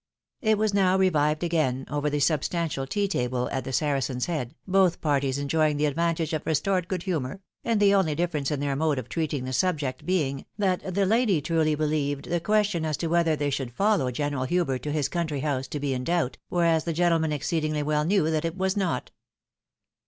It was now revived again, over the substantial tea table, at the Saracen's Head, both parties enjoying the advantage of restored good humour, and the only difference in their mode of treating the subject being, that the lady truly believed the question as to whether they should follow General Hubert to his country house to be in doubt, whereas the gentleman exceedingly well knew that it was not.